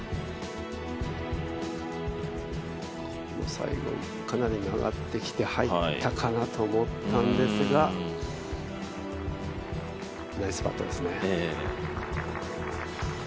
最後かなり曲がってきて入ったかなと思ったんですが、ナイスパットですね。